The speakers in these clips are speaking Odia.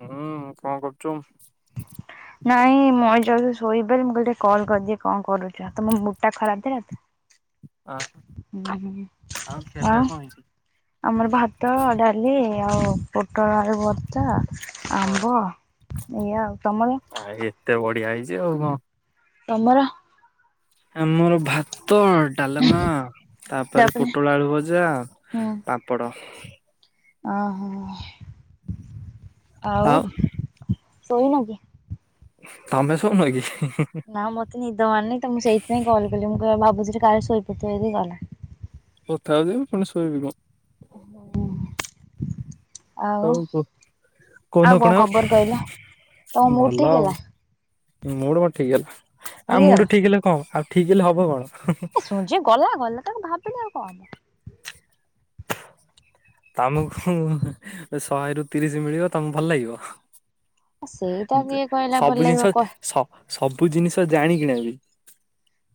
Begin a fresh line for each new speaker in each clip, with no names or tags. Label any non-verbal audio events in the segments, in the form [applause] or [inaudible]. ହୁଁ କଣ କରୁଛୁ?
ନାଇଁ ମଇଁ ଯ ଶୋଇବ ମୁଁ ଗ ଟେ କଲ କରିଦିଏ କଣ କରୁଛ ମୋ ମୁଟ ଟା ଖରାପ ଥିଲା ତ
ଖିଆ ପିଆ
ଆଉ
କଣ ହେଇଛି?
ଆମର ଭାତ ଡାଲି ଆଉ। ପୋଟଳ ଭତା ଆମ୍ବ ଇଆ ଆଉ ତମର?
ଯେ ହଉ କଁ
ତମର?
ଆମର ଭା ଭ ତ ଡାଲମା ତାପରେ ପୋଟଳ ଆଳୁ ଭଜା ପାପଡ଼।
ଓ ହୋ। ଆଉ ଶୋଇନ କି?
ତମେ ସଉନ କି?
ନା ମତେ ନିଦ ମାରନି ତ ମୁଁ ସେଇଥିପାଇଁ କଲ୍ କଲି ମୁଁ ବାବୁରେ କାହାର ଶୋଇପାରୁଥିବଇି ଗଲା।
ଓ ତା ବି ପୁଣି ସୋଇବି ମୁଁ
ହଁ
ହଉ କହୁ
ଆଉ
କୁହୁନୁ, କଣ
ଖବର କହିଲ ତମ ମୁଡ୍
ଭଲ
ଠିକ୍
ଆଉ।
ହେଲା
ମୁଡ କଣ ଠିକ ହେଲା
ଠିକ୍
ଆଉ
ହେଇଗଲା।
ମୁଠ, ଠିକ ହେଲେ କଣ ଆଉ ଠିକ ହେଲେ ହବ କଣ?
ଯିଏ ଗଲା ଗଲା ତାକୁ ଭାବବିନି ଆଉ କଣ
ତମକୁ ଶହେ ରୁ ତିରିଶ ମିଳିବ ତମକୁ ଭଲ ଲାଗିବ?
ସେଇଟା କିଏ କହିଲା ଭଲ
ସବୁ
ଲାଗିବ
ଜିନିଷ
କ
ସ ସବୁ ଜିନିଷ ଜାଣିକିନା ବି।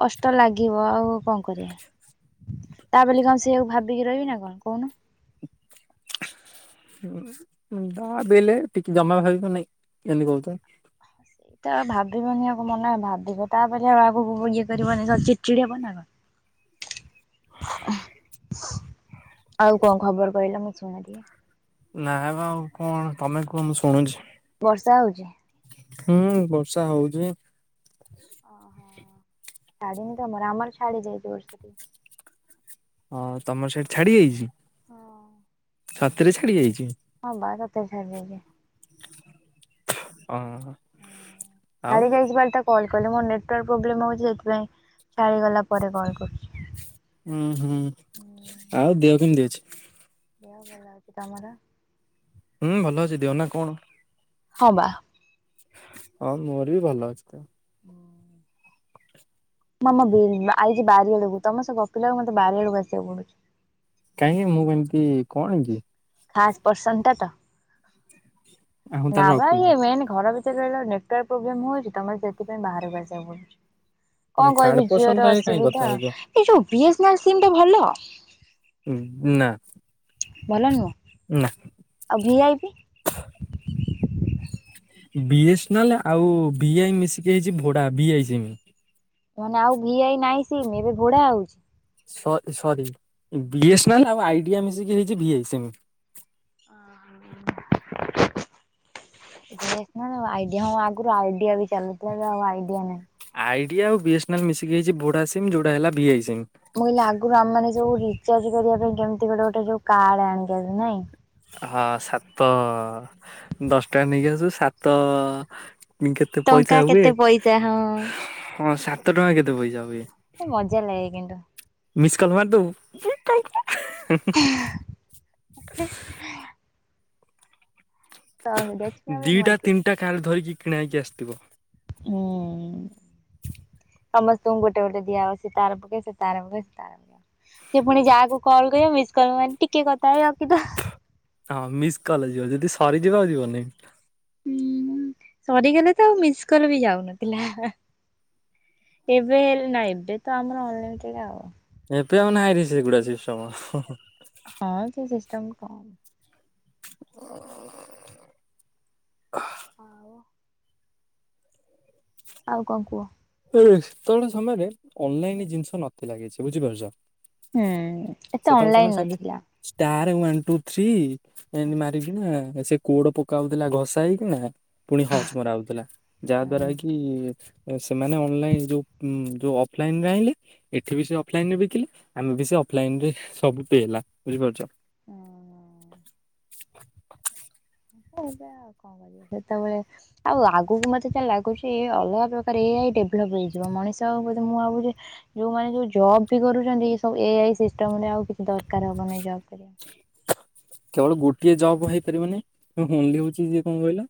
କଷ୍ଟ ଲାଗିବ ଆଉ କଣ କରିବା। ତା ବୋଲି କଣ ସେଆକୁ ଭାବିକି ରହିବି ନା କଣ କହୁନ?
ଯାବି ହେଲେ ଟିକେ ଜମା ଭାବିବ ନାଇଁ ଏମିତି କହୁଛ!
ସେଇଟା ଆଉ ଭାବିବନି ଆଗ ମନ ଭାବିବ ତାପ ଆଉ ଆଗକୁ ଇଏ କରିବନି ସ ଚିଡିଚିଡି ହବ ନା ଆଉ କଣ ଖବର କହିଲ ମୁଁ ଶୁଣେ!
ନାଇ ଆଉ କଣ ତମେ କୁହ ମୁଁ ଶୁଣୁଛି।
ବର୍ଷା ହଉଛି?
ହୁଁ ବର୍ଷା ହଉଚି।
ଓହୋ ଛାଡ଼ିନି ତମର ଆମର ଛାଡ଼ି ଯାଇଛି ବର୍ଷା।
ହଁ ତମର ସେଇଠି ଛାଡି ଯାଇଛି? ସତରେ ଛାଡି ଯାଇଛି।
ହଁ ବାରତେ ଛାଡ଼ି ଯାଇଛି।
ହିଁ।
ସରି ଯାଇଛି ବୋଲି କଲ୍ ଟା କହିଲ ମୋର ନେଟୱର୍କ ପ୍ରୋବ୍ଲେମ ହଉଛି, ସେଥିପାଇଁ ଛାଡ଼ିଗଲା ପରେ କଲ୍ କରୁଛି।
ହୁଁ ହୁଁ, ଆଉ ଦେହ କେମିତି ଅଛି?
ଦେହ ଭଲ ଅଛି। ତମର?
ହୁଁ ଭଲ ଅଛି ଦିହ ନା କଣ?
ହଁ ବା।
ହଁ ମୋର ବି ଭଲ ଅଛି ତ।
ମାମା ବି ଆଇଛି ବାରି ଆଡକୁ ତମ ସ ଗପିଲାକୁ ମତେ ବାରି ବେଳକୁ ଆସିବାକୁ ପଡୁଛି।
କାହିଁକି ମୁଁ କେମିତି କଣ ହେଇଛି?
ଖାସ ପର୍ସନ ଟା ତ
ଆ ମୁଁ ତାହେଲେ
ନାବା
ରଖୁଛି।
ଇଏ ମନ୍ ଘର ଭିତ ନେଟୱର୍କ ପ୍ରୋବ୍ଲେମ ହଉଛି ତ ମୋତେ ସେଥିପାଇ ବାହାରକୁ ଆସିବାକୁ ପଡୁଛି। କଣ
ଥାର୍ଡ
କହିବି ଜିଓ
ପର୍ସନ
ର
ସାଙ୍ଗେ କାହିଁ କଥା
ଅସୁବିଧା
ହଉଛ?
ଏ ଯୋଉ B S N L sim ଟା ଭଲ?
ହଁ ନା।
ଭଲ ନୁହଁ।
ନା।
ଆଉ ଭଆଇପି?
ବିସ୍ନାଲ୍ ଆଉ ବିଆଇ ମିଶିକି ହେଇଛି ଭଡା ବିଇ ସିମ
ମାନେ ଆଉ ଭିଆଇ ନାହିଁ ସିମ୍ ଏବେ ଭୋଡା ହଉଛି।
ସ ସରି ବିଏସ୍ନାଲ ଆଉ ଆଇଡ଼ିଆ ମିଶିକି ହେଇଛି ଭିଆଇ ସୀମ୍
ହଁ। ଆଇଡିଆ ହଁ ଆଗରୁ ଆଇଡିଆ ବି ଚାଲୁଥିଲା ଏବେ ଆଉ ଆଇଡିଆ ନାଇଁ।
ଆଇଡିଆ ଆଉ ବିଏସ୍ନାଲ୍ ମିଶିକି ହେଇଛି ବୋଡ଼ା ସିମ୍ ଯେଉଟା ହେଲା ବି ଆଇ ସିମ୍।
ମୁଁ କହିଲି ଆଗରୁ ଆମ ମାନେ ସବୁ ରିଚାର୍ଜ କରିବା ପାଇଁ କେମିତି ଗୋଟେ ଗୋଟେ ଯୋ କାର୍ଡ ଆଣିକି ଆସୁ ନାଇଁ?
ହଁ ସାତ ଦଶଟାରେ ନେଇକି ଆସୁ ସାତ କେତେ
ଟଙ୍କା
ପଇସା ହୁଏ
କେତେ ପଇସା
ହଁ ସାତ ଟଙ୍କା କେତେ ପଇସା ହୁଏ।
ମଜା ଲାଗେ କିନ୍ତୁ।
ମିସ୍ କଲ୍ ମାରିଦେବୁ ପୁଣି [inaudible]
କାଉଁରୀଆ ଛୁଆ ବେଳେ
ଦିଟା
ମଜା।
ତିନିଟା କାର୍ଡ ଧରିକି କିଣା ହେଇକି ଆସିଥିବ।
ହଁ। ସମସ୍ତଙ୍କୁ ଗୋଟେ ଗୋଟେ ଦିଆହେବ, ସିଏ ତାର ପକେଇବା ସିଏ ତାର ପକେଇବ ସିଏ ତାର ପକେଇବ। ସେ ପୁଣି ଯାହାକୁ କଲ୍ କରିବ ମିସ୍ କଲ୍ ମାରିବ ଟିକେ କଥା ହେଇ ରଖିଦବ।
ହଁ ମିସ୍ କଲ୍ ଯିବ ଯଦି ସରିଯିବ ଆଉ ଯିବନି।
ହୁଁ ସରିଗଲେ ତ ଆଉ ମିସ୍କଲ୍ ବି ଯାଉନଥିଲା। ଏବେ ନାଇଟ ଡେ ତ ଆମର ଅନଲିମିଟେଡ ଆଉ
ଏବେ ଆଉ ନାହିଁରେ ସେଗୁଡା ସେ ସିଷ୍ଟମ ସବୁ
ହଁ ସେ ସିଷ୍ଟମ କଣ?
ଓହ ହାଃ।
ଆଉ ଆଉ କଣ କୁହ?
[unintelligible] ସେତେବେଳେ ସମୟରେ ଅନଲାଇନ ଜିନିଷ ନଥିଲା କିଛି ବୁଝିପାରୁଛ।
ହୁଁ ଏତେ
ସେତେବେଳେ ସମୟରେ
ଅନଲାଇନ
ସେମିତି
ନଥିଲା।
ଷ୍ଟାର ୱାନ୍ ଟୁ ଥ୍ରୀ ଏନି ମାରିକିନା ସେ କୋଡ ପକାଉଥିଲା ଘସା ହେଇକିନା। ପୁଣି ହଜ ମରା ହଉଥିଲା ଯାହା ଦ୍ଵାରା କି? ସେମାନେ ଅନଲାଇନ ଯୋଉ ଉଁ ଯୋଉ ଅଫଲାଇନ ରେ ଆଣିଲେ ଏଠି ବି ସେ ଅଫଲାଇନ ରେ ବିକିଲେ ଆମେ ବି ସେ ଅଫଲାଇନ ଯେ ସବୁ ପେ ହେଲା ବୁଝିପାରୁଛ। [inaudible]
[unintelligible] ସେତେବେଳେ ଆଉ ଆଗକୁ ମତେ କାଇଁ ଲାଗୁଚି ଅଲଗା ପ୍ରକାର ଏ ଆଇ ଡେଭଲପ ହେଇଯିବ ମଣିଷ ଆଉ ମୁଁ ବୋଧେ ମୁଁ ଭାବୁଛି ଯୋଉମାନେ ଜବ ବି କରୁଛନ୍ତିୁ ଏସବୁ ଏ ଆଇ ସିଷ୍ଟ ତାମାନେ ଆଉ କିଛି ଦରକାର ହବନି ଜବ କରିବା।
କେବଳ ଗୋଟିଏ ଜବ୍ ହେଇପାରିବନି ହୁଣ୍ଡୀ ହଉଛି ଯିଏ କଣ କହିଲ?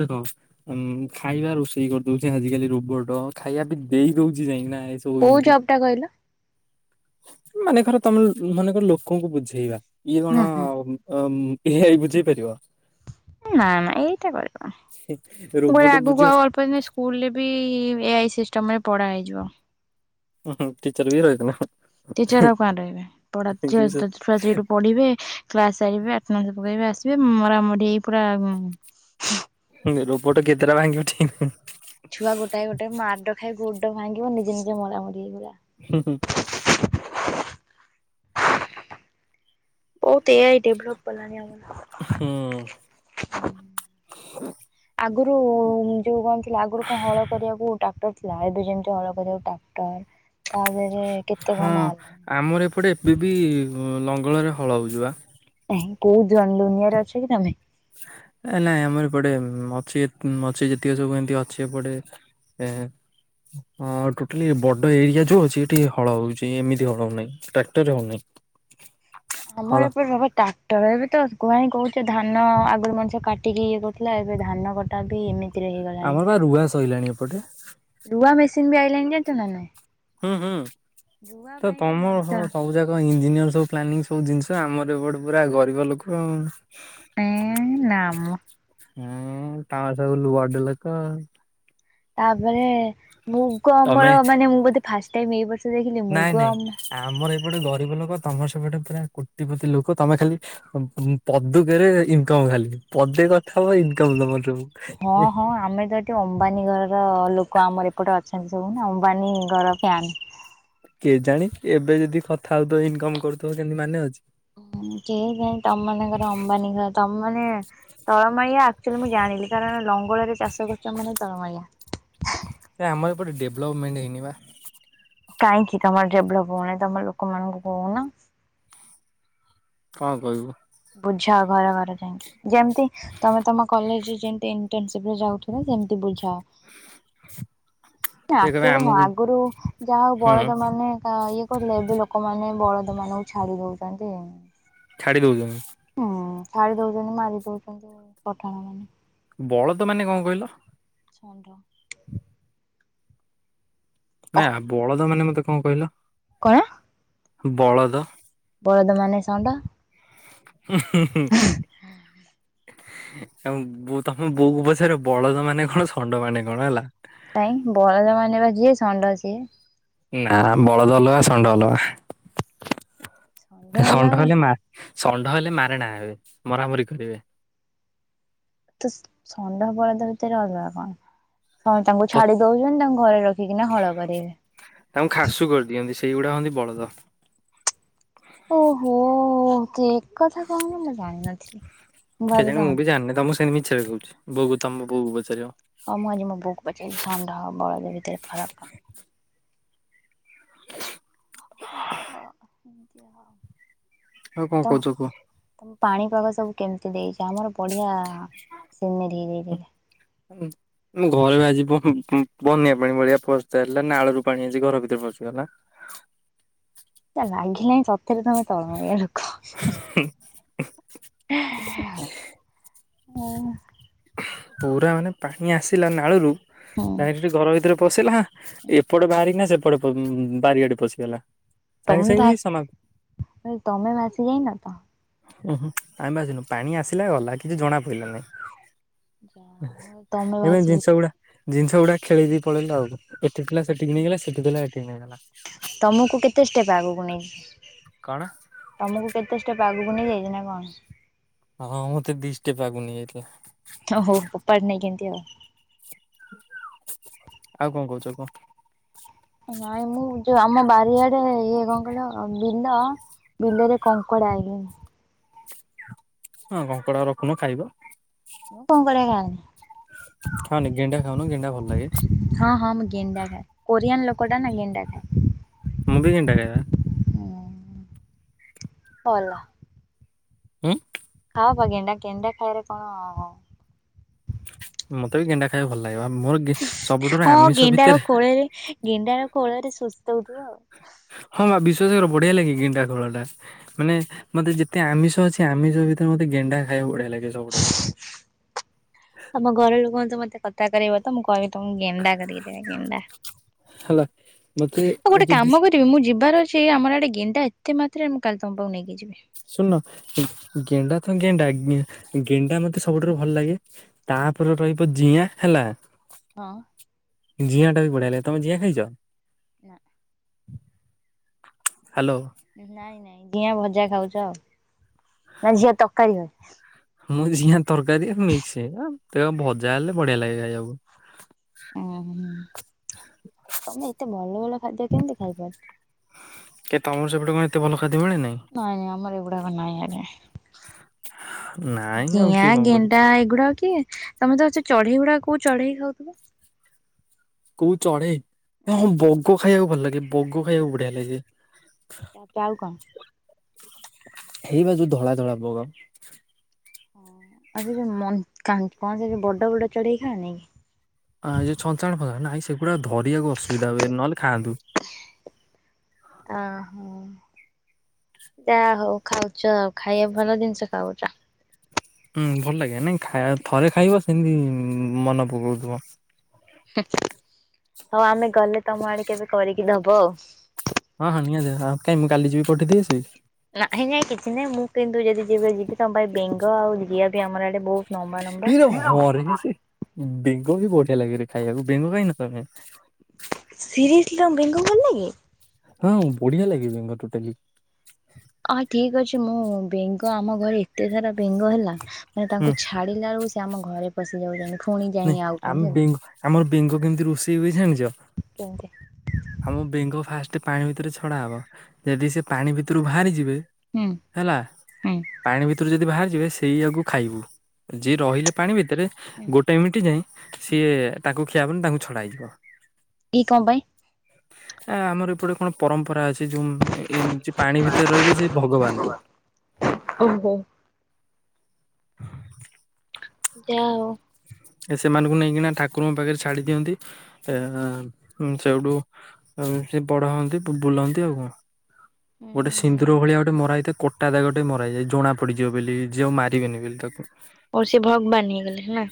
ଦେଖ ଉ ଖାଇବା ରୋଷେଇ କରିଦଉଛି ଆଜିକାଲି ରୋବଟ ଖାଇବା ବି ଦେଇ ଦଉଛି ଯାଇକିନା ଏସବୁ
କୋଉ
ଏମିତି
ଜବ୍ ଟା କହିଲ?
ମାନେକର ତମେ ମନେକର ଲୋକଙ୍କୁ ବୁଝେଇବା ଇଏ
ହୁଁ
କଣ
ହୁଁ।
ଅ ଏ ଆଇ ବୁଝେଇ ପାରିବ।
ନା ନା ଏଇଟା କରି ମୁଁ
ରୋବଟ
ଆଗକୁ
ବୁଝିବ
ଆଉ ଅଳ୍ପ ଦିନ ସ୍କୁଲରେ ବି ଏଇ ସି ଚମେ ପଡା ହେଇଯିବ।
ହଁ ଟିଚର ବି ରହିଗଲ।
ଟିଚର ଆଉ କୁଆଡେ ରହିବେ [unintelligible] ଛୁଆ ସେଠି ପଢିବେ କ୍ଲାସ ସାରିବେ ଆଟନାଶ ପକେଇବେ ଆସିବେ। ସିଏ ମରାମରି ହେଇ ପୁରା
ରବୋଟ କେତେଟା ଭାଙ୍ଗି ଉଠି
ଛୁଆ ଗୋଟାଏ ଗୋଟାଏ ମାଡ ଖାଇ ଗୋଡ ଭାଙ୍ଗିବ ନିଜେ ନିଜେ ମରା ମରି ହେଇଗଲା।
ହୁଁ ହୁଁ।
ବହୁତ ଏ ଆଇ ଡେଭଲପ କଲାଣି ଆମର ଆଗରୁ ଯୋଉ କଣ ଥିଲା ଆଗରୁ କଣ ହଳ କରିବାକୁ ଟ୍ରାକ୍ଟର ଥିଲା ଏବେ ଜେମତି ହଳ କରିବାକୁ ଟାକ୍ଟର।
ହଁ ଆମର ଏପଟେ ଏବେ ବି ହଁ ଲଙ୍ଗଳରେ ହଳ ହେଉଛିବା।
ହେଃ କୋଉ ଜନ ଦୁନିଆରେ ଅଛି କି ତମେ?
ନାଇଁ ଆମର ଏପଟେ ମଛିତ୍ ମଛି ଯେତିକି ସବୁ ଏମିତି ଅଛି ଏପଟେ। ହେଁ। ହଁ ଟୋଟାଲି ବଡ ଏରିଆ ଯୋଉ ଅଛି ଏଠି ହଳ ହଉଛି ଏମିତି ହଳ ହଉନାହିଁ ଟ୍ରାକ୍ଟରରେ ହଉନାହିଁ। ହଳ
ଆମର ଏପଟ ବା ଟାକ୍ଟର ଏବେତ କୁହା କାଏଁ ସେ ଧାନ ଆଗରୁ ମଣିଷ କାଟିକି ଇଏ କରୁଥିଲା ଏବେ ଧାନ କଟା ବି ଏମିତି ଏଥୀରେ ହେଇଗଲାଣି
ଆମର ବା ରୁଆ ସଇଲାଣି ଏପଟେ।
ରୁଆ ମେସିନ ବି ଆଇଲାଣି ଜାଣିଚ କି ନାଇଁ।
ହୁଁ ହୁଁ
ରୁଆ
ତ
ପାଇଁ ବି
ତମର
ମଣିଷ
ସବୁ ଜାକ ଇଞ୍ଜିନିୟର ସବୁ ପ୍ଲାନିଂ ସବୁ ଜିନିଷ ଆମର ଏ ପଟେ ପୁରା ଗରିବ ଲୋକ ଆଉ।
ହେଁ ନାମ।
ହୁଁ ତମର ସୁବୁ ବଡ ଲୋକ।
ତାପରେ ମୁଗ
ତମେ
ଅମଳ ମାନେ ମୁଁ ବୋଧେ ଫାଷ୍ଟାଇମ୍ ଏଇ ବର୍ଷ। ଦେଖିଲି
ନାଇଁ
ମୁଗ
ନାଇଁ
ଅମ
ଆମର ଏପଟେ ଗରିବ ଲୋକ। ତମର ସେପଟେ ପ୍ରାୟ କୋଟି ପତି ଲୋକ ତମେ ଖାଲି ପଦୁକରେ ଇନକମ ଖାଲି ପଦେ ସେ କଥା ଇନକମ୍ ତମର ସବୁ।
ହଁ ହଁ ଆମେ ତ ଏଠି ଅମ୍ବାନୀ ଘରର ଲୋକ ଆମର ଏପଟ ଅଛନ୍ତି ସବୁ ନା ଅମ୍ବାନୀ ଘର ପ୍ୟାନ।
କେଜାଣି ଏବେ ଯଦି କଥା ହଉଥିବ ଇନକମ୍ କରୁଥିବ କେମିତି ମାନେ ଅଛି।
ହୁଁ କେ ଜାଣି ତମମାନଙ୍କର ଅମ୍ବାନୀ ଘ ତମ ମାନେ ତଳମାୟା ଆକ୍ଚୁଆଲି ମୁଁ ଜାଣିଲି କାରଣ ଲଙ୍ଗଳରେ ଚାଷ କରୁଛ ମାନେ ତଳମାୟା।
ଏ ଆମର ଏପଟେ ଡେଭଲପମେଣ୍ଟ ହେଇନି ବା।
କାହିଁକି ତମର ଡେଭଲପ ହଉନି ତମର ଲୋକମାନଙ୍କୁ କହୁନ।
କଣ କହିବୁ?
ବୁଝାଅ ଘର ଘର ଯାଇକି, ଯେମତି ତମେ ତମ କଲେଜରେ ଯେମତି ଇଣ୍ଟର୍ନସିପରେ ଯାଉଥିଲ ସେମିତି ବୁଝାଅ। ନା
ସେ କହିବେ
ଆକ୍ଚୁଆଲି ନା
ଆମକୁ
ଆଗରୁ ଯାହାହଉ
ହୁଁ
ବଳଦ ମାନେ ଇଏ ପର ଏବେ ଲୋକମାନେ ବଳଦ ମାନଙ୍କୁ ଛାଡି ଦଉଛନ୍ତି।
ଛାଡି ଦଉଛନ୍ତି।
ହୁଁ, ଛାଡି ଦଉଛନ୍ତି, ମାରି ଦଉଛନ୍ତି ପଠାଣ ମାନେ।
ବଳଦ ମାନେ କଣ କହିଲ?
ଷଣ୍ଢ।
ନା ବଳଦ ମାନେ ମତେ କ'ଣ କହିଲ?
କ'ଣ?
ବଳଦ।
ବଳଦ ମାନେ ଷଣ୍ଢ।
ଉଁ ହୁଁ ହୁଁ ତମ ବୋଉ ତମ ବୋଉକୁ ପଚାର ବଳଦ ମାନେ କ'ଣ? ଷଣ୍ଢ ମାନେ କ'ଣ? ହେଲା।
କାଇଁ ବଳଦ ମାନେ ବା ଯିଏ ଷଣ୍ଢ ସିଏ।
ନା ବଳଦ ଅଲଗା, ଷଣ୍ଢ ଅଲଗା। ଷଣ୍ଢ ହେଲେ ମା ଷଣ୍ଢ ହେଲେ ମାରେଣା ଏବେ, ମରାମରି କରିବେ।
ତସ୍ ଷଣ୍ଢ ବଳଦ ଭିତରେ ଅଲଗା କ'ଣ? ହଁ ତାଙ୍କୁ
ପ
ଛାଡି ଦଉଛନ୍ତି, ତାଙ୍କୁ ଘରେ ରଖିକିନା ହଳ କରିବେ।
ଏଇଗୁଡା ହନ୍ତି ବଳଦ।
ଓହୋ ସେ କଥା କହୁନ, ମୁଁ ଜାଣିନଥିଲି।
କେ
ଭାବେ
ଜାଣି, ମୁଁ
ଷଣ୍ଢ।
ବି ଜାଣିନି। ତମକୁ ସେମିତି ମିଛରେ କହୁଛି ବୋଉକୁ ତମ ବୋଉକୁ ପଚାରିବ।
ହଉ ମୁଁ ଆଜି ମୋ ବୋଉକୁ ପଚାରିବି, ଷଣ୍ଢ ବଳଦ ଭିତରେ ଫରକ୍ କଣ? ଅହ ହୁଁ [unintelligible]
ଆଉ କଣ
ତ
କହୁଛ କୁହ।
ତମ ପାଣି ପାଗ ସବୁ କେମିତି ଦେଇଛି? ଆମର ବଢିଆ ସିନେରି ହେଇଯାଇଛି।
[unintelligible] ଘରେ ଆଜି ବ ହୁଁ ହୁଁ ବନ୍ୟା ପାଣି ମଳିଆ ପଶଚାଲା ନାଳରୁ ପାଣି ଆସି ଘର ଭିତରେ ପଶିଗଲା।
ତା ଲାଘିଲେ ସତ୍ ସତରେ ତମେ ତଳମଳିଆ ଲୋକ। ହୁଁ। ହୁଁ।
ପୁରା ମାନେ ପାଣି ଆସିଲା ନାଳରୁ
ହୁଁ
ଡାଇରେକ୍ଟ ଘର ଭିତରେ ପସିଲା। ଏପଟେ ବାହାରିକିନା ସେପଟେ ପ ହୁଁ ବାରିଆଡେ ପଶିଗଲା। ସାଙ୍ଗେ
ତମେ ତ
ସାଙ୍ଗେ
ଆସ୍
ସମାପ୍ତ।
ତମେ ଭାସି ଯାଇନ ତ?
ଉୁଁ ହୁଁ ଆମେ ଭାସିନୁ। ପାଣି ଆସିଲା ଗଲା କିଛି ଜଣା ପଡିଲା ନାହିଁ।
ଯା ମ ତମେ
ଏବେ ଜିନିଷ
ଭାସିିମିଶି
ଗୁଡା ଜିନିଷ ଗୁଡା ଖେଳେଇ ଦେଇ ପଳେଇଲୁ ଆଉ। ଏଠି ଥିଲା ସେଠିକି ନେଇଗଲା। ସେଠି ଥିଲା ଏଠି
ତମକୁ କେତେ ଷ୍ଟେପ୍ ଆଗକୁ ନେଇଛି?
କଣ?
ତମକୁ କେତେ ଷ୍ଟେପ୍ ଆଗକୁ ନେଇି ଯାଇଛି ନା କ'ଣ?
ହଁ ମତେ ଦି ଷ୍ଟେପ୍ ଆଗକୁ ନେଇଯାଇଥିଲା।
ଓହୋ ଫୋପାଡ୍ ନାଇଁ କେମତି ଆଉ।
ଆଉ କଣ କହୁଛ କୁହ?
ନାଇଁ ମୁଁ ଯୋଉ ଆମ ବାରିଆଡେ ଇଏ କଣ କହିଲ ବିଲ ବିଲରେ କଙ୍କଡ଼ା ଆ
ହଁ କଙ୍କଡା ରଖୁନ ଖାଇବ
ମୁଁ କଙ୍କଡ଼ା ଖାଏନି।
ଖାଅନି ଗେଣ୍ଡା ଖାଉନ ଗେଣ୍ଡା ଭଲ ଲାଗେ।
ହଁ ହଁ ମୁଁ ଗେଣ୍ଡା ଖାଏ କୋରିଆନ ଲୋକ ଟା ନା ଗେଣ୍ଡା ଖାଏ।
ମୁ ବି ଗେଣ୍ଡା ଖାଏ ବା
ଅଲା
ଉଁ
ଖା ବା, ଗେଣ୍ଡା କେଣ୍ଡା ଖାଇବାରେ କଣ?
ମତେ ବି ଗେଣ୍ଡା ଖାଇବା ଭଲ ଲାଗେ। ଖାଇବା ମୋର ସବୁଠାରୁ
ହଁ
ଆମିଷ
ଗେଣ୍ଡାର
ଭିତରେ
କୋଳରେ ଗେଣ୍ଡାର କୋଳରେ ସୁସ୍ଥ ହଉଥିବ ଆଉ
ହଁ ବିଶ୍ୱାସ କର ବଢିଆ ଲାଗେ ଗେଣ୍ଡା ଖୋଳ ଟା ମାନେ ମତେ ଯେତେ ଆମିଷ ଅଛି ଆମିଷ ଭିତରେ ମତେ ଗେ ଗେଣ୍ଡା ଖାଇବାକୁ ବଢିଆ ଲାଗେ। ସବୁଠାରୁ
ତମ ଘର ଲୋକଙ୍କୁ ତ ମତେ କଥା କରେଇ ବତ? କ ତୁମକୁ ଗେଣ୍ଡା କରିକି ଦେବି ଗେଣ୍ଡା।
ହେଲା। ମତେ
ଆଉ ଗୋଟେ
ଯଦି
କାମ କରିବ ମୁଁ ଯିବାର ଅଛି। ଛି ଆମର ଆଡେ ଗେଣ୍ଡା ଏତେ ମାତ୍ରାରେ ମୁଁ କାଲି ତମ ପାଖକୁ ନେଇକି ଯିବି।
ଶୁଣୁନ ଗେଣ୍ଡା ତ ଗେଣ୍ଡା, ଗେଣ୍ଡା ମତେ ସବୁଠାରୁ ଭଲ ଲାଗେ। ତାପରେ ରହିବ ଜିଆଁ ହେଲା।
ହଁ ଅଁ
ଜିଆଟା ବି ବଢିଆ ଲାଗେ, ତମେ ଜିଆ ଖାଇଛ?
[unintelligible]
ହ୍ୟାଲୋ
ନାଇଁ ନାଇଁ ଜିଆଁ ଭଜା ଖାଉଛ ଆଉ ନା ଜିଆଁ ତରକାରୀ ହୁଏ
ମୁଁ ଜିଆଁ ତରକାରୀ ମିକ୍ସ ଭଜା ହେଲେ ବଢିଆ ଲାଗେ ଖାଇଵାକୁ
ଉଁ ହୁଁ ତମେ ଏତେ ଭଲ ଭଲ ଖାଦ୍ୟ କେମିତି ଖାଇପାରୁଛ?
କେ ତମର ସେପଟେ କଣ ଏତେ ଭଲ? ଖାଦ୍ୟ ମିଳେ
ନାଇଁ ନାଇଁ ଆମର ଏଗୁଡାକ ନାଇଁ ଆଡେ
ନାଇଁ ଆଉ
ଜିଆଁ
କିଏ କଣ କରିବ
ଗେଣ୍ଡା ଏଇଗୁଡା କିଏ? ତମେ ତ ସେ ଚଢେଇ ଗୁଡାକ- କୋଉ ଚଢେଇ ଖାଉଥିବ?
କୋଉ ଚଢେଇ, ହଁ ବଗ ଖାଇବାକୁ ଭଲ ଲାଗେ, ବଗ ଖାଇବାକୁ ବଢିଆ ଲାଗେ।
ତାପରେ ଆଉ କଣ?
ହେଇ ବା ଯଉ ଧଳା ଧଳା ବଗ।
ଆଉ ସେ ଯୋଉ କଣ ସେ ବଡ ବଡ ଚଢେଇ ଖାଅନି?
ହଁ ଯୋଉ ଛଞ୍ଚାଣ ଫଞ୍ଚାଣ ନାଇଁ ସେଗୁଡା ଧରିବାକୁ ଅସୁବିଧା ହୁଏ, ନହେଲେ ଖାଆନ୍ତୁ।
[unintelligible] ଆ ହଁ ଯା ହଉ ଖାଉଛ ଆଉ, ଖାଇବା ଭଲ ଜିନିଷ ଖାଉଛ।
ହୁଁ ଭଲ ଲାଗେ ନାଇଁ, ଖାଇବା ଥରେ ଖାଇବ, ସେମିତି ମନେ ପକଉଥିବ।
ହଉ ଆମେ ଗଲେ ତମ ଆଡେ କେବେ କରିକି ଦବ ଆଉ
ହଁ ହଁ ନିହାତୀ ମୁଁ କାଲି ଯିବି ପଠେଇ ଦେଇ ଆସିବି।
ନାଁଇ ନାଇ କିଛି ନାଇଁ ମୁଁ କିନ୍ତୁ ଯଦି ଯିବ ଯିବି ତମ ପାଇଁ ବେଙ୍ଗ ଆଉ ଜିଆ ବି ଆମର ଆଡେ ବହୁତ ଲମ୍ବା
ଇରେ ହଁରେ
ଲମ୍ବା।
ସେ ବେଙ୍ଗ ବି ବଢିଆ ଲାଗେ ରେ ଖାଇବାକୁ ବେଙ୍ଗ ଖାଇନ ତମେ?
ସିରିଅସ୍ଲି ତମକୁ ବେଙ୍ଗ ଭଲ ଲାଗେ?
ହଁ ବଢିଆ ଲାଗେ ବେଙ୍ଗ ଟୋଟାଲି
ଅ ଠିକ ଅଛି ମୁଁ ବେଙ୍ଗ ଆମ ଘରେ ଏତେ ସାରା ବେଙ୍ଗ ହେଲା ଆମେ
ହୁଁ
ତାଙ୍କୁ ଛାଡି ନେବାକୁ ସେମାନେ ଘରେ ପଶି ଯାଉଛନ୍ତି। ପୁଣି ଯାଇ
ନାଇଁ
ଆଉଛନ୍ତି
ଆମେ
ହେଲା।
ବେଙ୍ଗ ଆମର ବେଙ୍ଗ କେମିତି ରୋଷେଇ ହୁଏ ଜାଣିଚ?
କେମିତି
ପାଣି ଭିତରେ ଛଡା ହବ ଯଦି ସେ ପାଣି ଭିତରୁ ବାହାରି ଯିବେ
ହୁଁ
ହେଲା
ହୁଁ
ପାଣି ଭିତୁରୁ ଯଦି ବାହାରି ଯିବେ ସେଇଆକୁ ଖାଇବୁ ଯିଏ ରହିଲେ ପାଣି ବି ତରେ
ହୁଁ
ଗୋଟେ ମିଣ୍ଟି ଯାଇଁ ସିଏ ତାଙ୍କୁ ଖିଆ ହବନି ତାଙ୍କୁ ଛଡା ହେଇଯିବ।
କି କଁ ପାଇଁ?
ଆ ଆମର ଏପଟେ କଣ ପରମ୍ପରା ଅଛି। ଉଁ ଏମିତି ଯିଏ ପାଣି ଭିତରେ ରହିବେ ସେ ଭଗବାନ।
ଓହୋ ତ।
ସେମାନଙ୍କୁ ନେଇକିନା ଠାକୁରଙ୍କ ପାଖରେ ଛାଡି ଦିଅନ୍ତି ତ ହୁଁ ସେଇଠୁ ଉଁ ସେ ବଡ ହୁଅନ୍ତି ବୁଲନ୍ତି ଆଉ କଣ। ଗୋଟେ ସିନ୍ଦୁର ଭଳିଆ ଗୋଟେ ମରା ହେଇତାଏ କ ଟା ଦାଗଟେ ମରା ହେଇଯାଏ ଜଣା ପଡିଯିବ ବୋଲି ଯେ ଆଉ ମାରିବେନି ବୋଲି ତତେ।
ଓ ସେ ଭଗବାନ୍ ହେଇଗଲେ ନା।